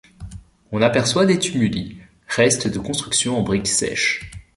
On aperçoit des tumuli, restes de constructions en briques sèches.